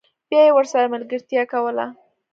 بیا یې ورسره ملګرتیا کوله